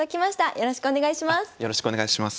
よろしくお願いします。